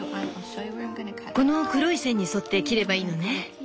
この黒い線に沿って切ればいいのね。